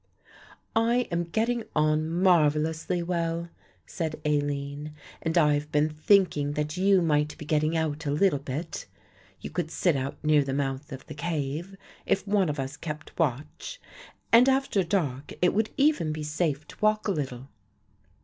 "I am getting on marvellously well," said Aline, "and I have been thinking that you might be getting out a little bit. You could sit out near the mouth of the cave if one of us kept watch, and after dark it would even be safe to walk a little."